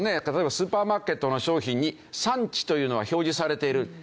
例えばスーパーマーケットの商品に産地というのは表示されている。